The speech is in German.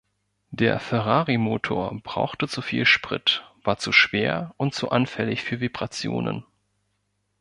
Der Ferrari-Motor brauchte zu viel Sprit, war zu schwer und zu anfällig für Vibrationen.